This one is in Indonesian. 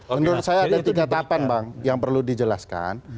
menurut saya ada tiga tahapan bang yang perlu dijelaskan